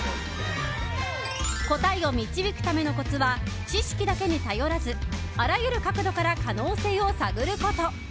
答えを導くためのコツは知識だけに頼らずあらゆる角度から可能性を探ること。